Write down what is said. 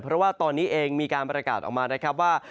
เพราะว่าตอนนี้เองมีการประกาศออกมานะครับว่า